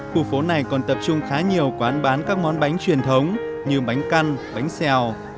khu phố này còn tập trung khá nhiều quán bán các món bánh truyền thống như bánh căn bánh xèo